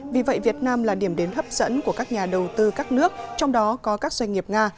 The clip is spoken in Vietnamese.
vì vậy việt nam là điểm đến hấp dẫn của các nhà đầu tư các nước trong đó có các doanh nghiệp nga